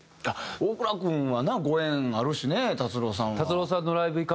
大倉君はなご縁あるしね達郎さんは。